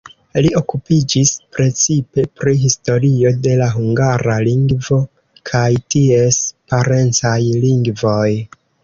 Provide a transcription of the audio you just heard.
Li okupiĝis precipe pri historio de la hungara lingvo kaj ties parencaj lingvoj.